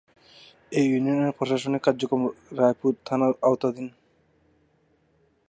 এ ইউনিয়নের প্রশাসনিক কার্যক্রম রায়পুর থানার আওতাধীন।